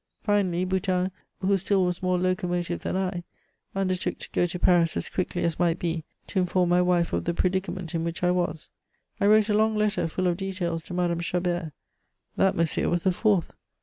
Finally, Boutin, who still was more locomotive than I, undertook to go to Paris as quickly as might be to inform my wife of the predicament in which I was. I wrote a long letter full of details to Madame Chabert. That, monsieur, was the fourth!